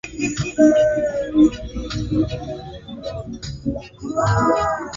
walionyesha mara nyingi ukatili na dharau kwa Waisraeli na dini yao